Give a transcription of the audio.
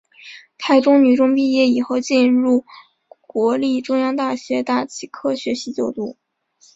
台中女中毕业以后进入国立中央大学大气科学系就读。